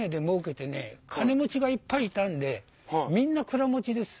金持ちがいっぱいいたんでみんな蔵持ちです。